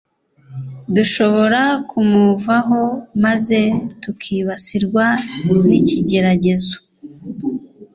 Dushobora kumuvaho maze tukibasirwa nikigeragezo